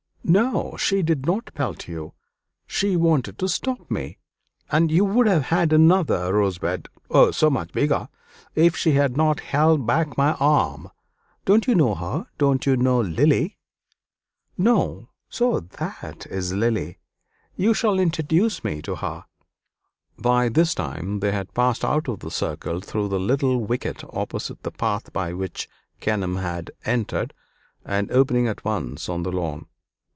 "No, she did not pelt you; she wanted to stop me, and you would have had another rosebud oh, so much bigger! if she had not held back my arm. Don't you know her don't you know Lily?" "No; so that is Lily? You shall introduce me to her." By this time they had passed out of the circle through the little wicket opposite the path by which Kenelm had entered, and opening at once on the lawn.